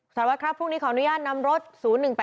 สารวัฒน์ครับพรุ่งนี้ขออนุญาตนำรถศูนย์๑๘๒